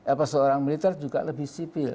apa seorang militer juga lebih sipil